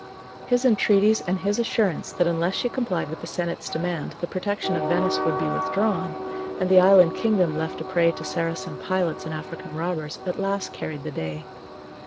His entreaties and his assurance that, unless she complied with the senate's demand, the protection of Venice would be withdrawn, and the island kingdom left a prey to Saracen pirates and African robbers, at last carried the day.